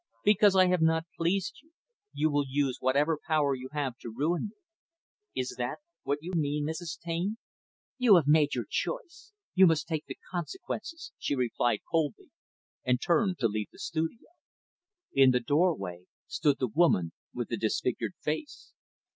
Because I have not pleased you, you will use whatever power you have to ruin me. Is that what you mean, Mrs. Taine?" "You have made your choice. You must take the consequences," she replied coldly, and turned to leave the studio. In the doorway, stood the woman with the disfigured face.